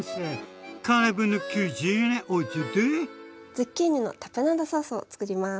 ズッキーニのタプナードソースをつくります。